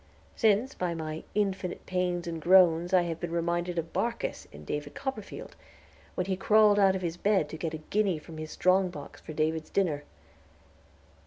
Since, by my "infinite pains and groans," I have been reminded of Barkis, in "David Copperfield," when he crawled out of his bed to get a guinea from his strong box for David's dinner.